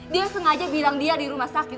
dia sengaja bilang dia di rumah sakit